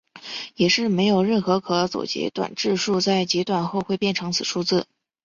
也就是没有任何可左截短质数在截短后会变成此数字。